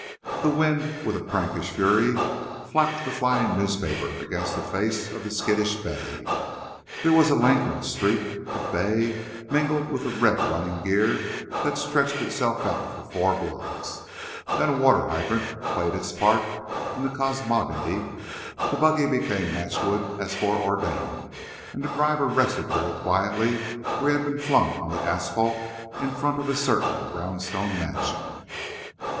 The wind, with a prankish flurry, flapped the flying newspaper against the face of the skittish bay. There was a lengthened streak of bay mingled with the red of running gear that stretched itself out for four blocks. Then a water hydrant played its part in the cosmogony, the buggy became matchwood as foreordained, and the driver rested very quietly where he had been flung on the asphalt in front of a certain brownstone mansion.